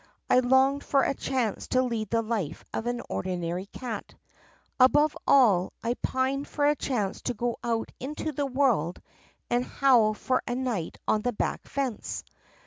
I longed for a chance to lead the life of an ordinary cat. Above all, I pined for a chance to go out into the world and howl for a night on a back fence.